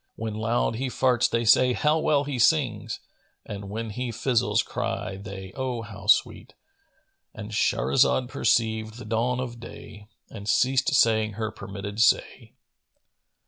When loud he farts they say 'How well he sings!' * And when he fizzles[FN#452] cry they, 'Oh, how sweet!'" —And Shahrazad perceived the dawn of day and ceased saying her permitted say.